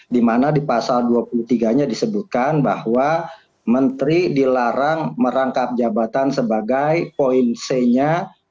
dimana di pasal dua puluh tiga nya disebutkan bahwa menteri dilarang merangkap jabatan sebagai poin c nya